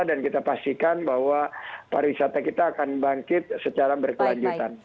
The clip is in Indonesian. dan kita pastikan bahwa pariwisata kita akan bangkit secara berkelanjutan